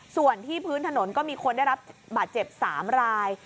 ส่วนที่พื้นถนนก็มีคนได้รับบาดเจ็บ๓ราย